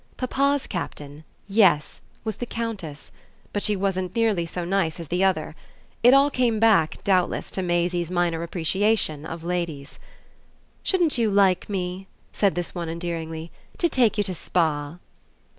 Papa's Captain yes was the Countess; but she wasn't nearly so nice as the other: it all came back, doubtless, to Maisie's minor appreciation of ladies. "Shouldn't you like me," said this one endearingly, "to take you to Spa?"